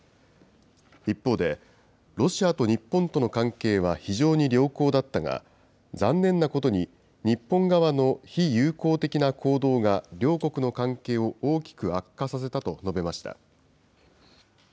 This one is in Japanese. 一方で、ロシアと日本との関係は非常に良好だったが、残念なことに、日本側の非友好的な行動が両国の関係を大きく悪化させたと述べました。